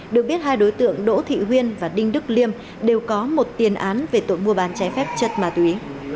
được biết hai đối tượng đỗ thị huyên và đinh đức liêm đều có một tiền án về tội mua bán trái phép chất ma túy